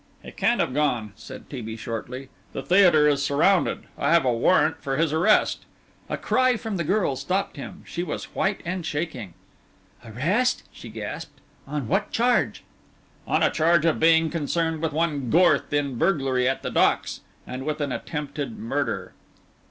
"He can't have gone," said T. B. shortly. "The theatre is surrounded. I have a warrant for his arrest." A cry from the girl stopped him. She was white and shaking. "Arrest!" she gasped, "on what charge?" "On a charge of being concerned with one Gorth in burglary at the Docks and with an attempted murder."